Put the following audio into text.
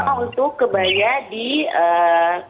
pakem itu terutama untuk kebaya di eee